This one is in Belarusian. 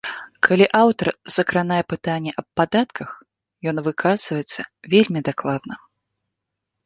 Калі аўтар закранае пытанне аб падатках, ён выказваецца вельмі дакладна.